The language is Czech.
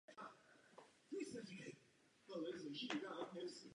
Má tři bratry a jednu sestru.